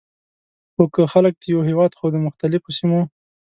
خو که خلک د یوه هیواد خو د مختلفو سیمو،